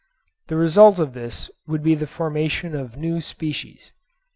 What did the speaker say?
The result of this would be the formation of new species.